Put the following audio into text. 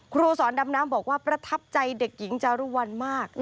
ครูสอนดำน้ำบอกว่าประทับใจเด็กหญิงจารุวัลมาก